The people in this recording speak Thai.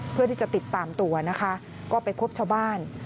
เพื่อที่จะติดตามตัวนะคะก็ไปพบชาวบ้าน